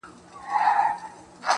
هغې ويله چي برزخ د زندگۍ نه غواړم,